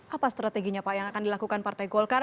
apa strateginya pak yang akan dilakukan partai golkar